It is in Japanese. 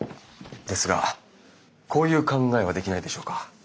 ですがこういう考えはできないでしょうか？